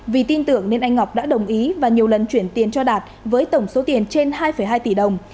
vì tin tưởng nên anh ngọc đã đồng ý và nhiều lần chuyển tiền cho đạt với tổng số tiền trên hai hai tỷ đồng